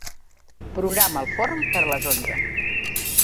Programa el forn per a les onze.